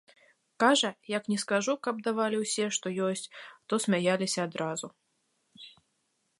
Кажа, як ні скажу, каб давалі ўсе, што ёсць, то смяяліся адразу.